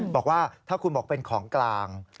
บอกว่าถ้าคุณบอกเป็นของกลาง